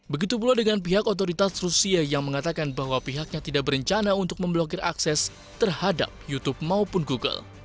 begitu pula dengan pihak otoritas rusia yang mengatakan bahwa pihaknya tidak berencana untuk memblokir akses terhadap youtube maupun google